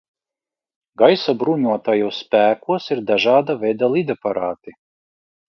Gaisa bruņotajos spēkos ir dažāda veida lidaparāti.